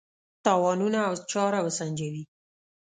تاوانونه او چاره وسنجوي.